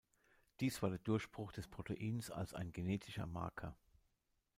Dies war der Durchbruch des Proteins als ein genetischer Marker.